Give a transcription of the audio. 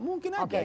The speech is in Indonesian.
mungkin aja gitu